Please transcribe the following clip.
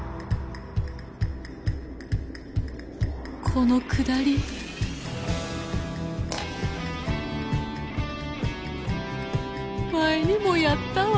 このくだり前にもやったわ